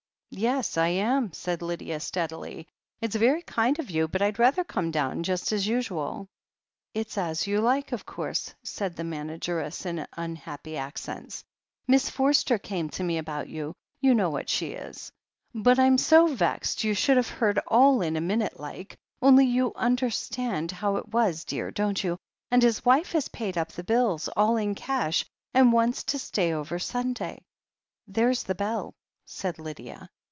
"Yes, I am," said Lydia steadily. "It's very kind of you, but Fd rather come down just as usual." "It's as you like, of course," said the manageress in tmhappy accents. "Miss Forster came to me about you — ^you know what she is. But I'm so vexed you should have heard all in a minute like, only you understand how it was, dear, don't you? And his wife has paid up the bills, all in cash, and wants to stay over Sun day." "There's the beU," said Lydia.